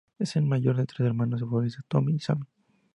Es el mayor de tres hermanos futbolistas Tomi y Sammy.